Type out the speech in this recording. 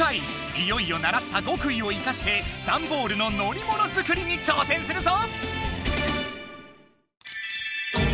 いよいよ習った極意を生かしてダンボールの乗りもの作りに挑戦するぞ！